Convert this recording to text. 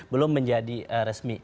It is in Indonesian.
belum menjadi resmi